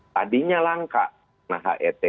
tadinya langka nah het